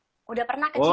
sudah pernah ke cinere dulu